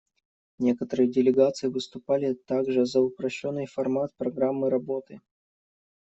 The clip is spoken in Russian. Некоторые делегации выступали также за упрощенный формат программы работы.